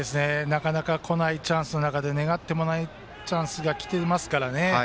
なかなか来ないチャンスの中で願ってもないチャンスが来ていますからね。